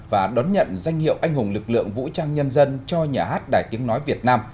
và đón nhận danh hiệu anh hùng lực lượng vũ trang nhân dân cho nhà hát đài tiếng nói việt nam